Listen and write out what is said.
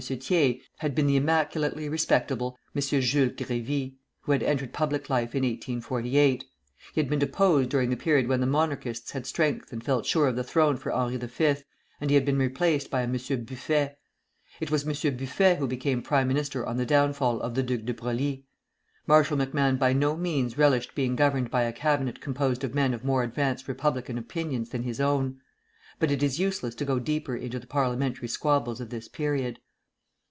Thiers, had been the immaculately respectable M. Jules Grévy, who had entered public life in 1848. He had been deposed during the period when the Monarchists had strength and felt sure of the throne for Henri V., and he had been replaced by a M. Buffet. It was M. Buffet who became prime minister on the downfall of the Duc de Broglie. Marshal MacMahon by no means relished being governed by a cabinet composed of men of more advanced republican opinions than his own. But it is useless to go deeper into the parliamentary squabbles of this period.